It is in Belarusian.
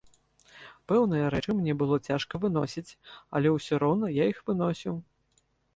Пэўныя рэчы мне было цяжка выносіць, але ўсе роўна я іх выносіў.